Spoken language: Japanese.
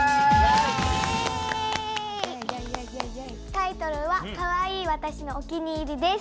タイトルは「かわいい私のお気に入り」です。